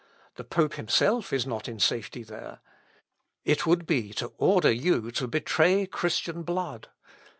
The pope himself is not in safety there. It would be to order you to betray Christian blood.